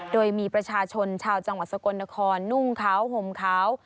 โดยมีประชาชนชาวจังหวัดสกลนครนุ่งขาวห่มขาว